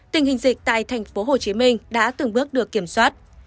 tình hình dịch tại tp hcm đã từng bước được kiểm soát